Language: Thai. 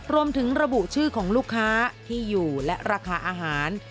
รวมถึงระบุชื่อของลูกค้าที่อยู่และราคาอาหาร